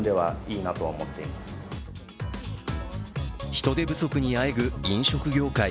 人手不足にあえぐ飲食業界。